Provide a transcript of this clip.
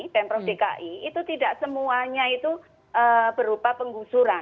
pemprov dki itu tidak semuanya itu berupa penggusuran